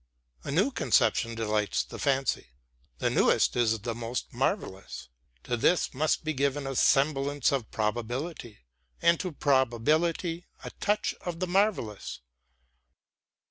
A new conception delights the fancy. The newest is the most marvelous. To this must be given a semblance of probability, and to probability a touch of the marvelous.